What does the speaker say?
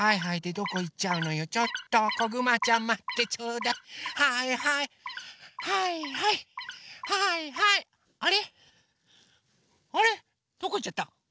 どこいっちゃった？